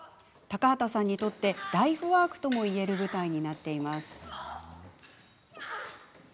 高畑さんにとってライフワークともいえる舞台になっています。